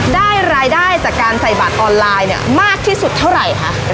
ได้รายได้จากการใส่บัตรออนไลน์เนี่ยมากที่สุดเท่าไหร่คะ